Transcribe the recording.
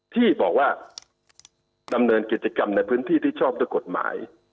ที่บอกว่าดำเนินกิจกรรมในพื้นที่ที่ชอบด้วยกฎหมาย